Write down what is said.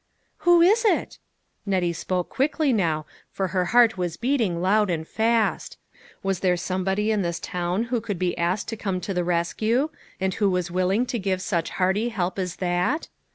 "Who is it?" Nettie spoke quickly now, for her heart was beating loud and fast. Was there some body in this town who could be asked to come to the rescue, and who was willing to give such hearty help as that